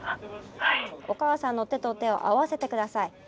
おかあさんの手と手を合わせて下さい。